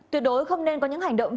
tuyệt đối không nên có những hành động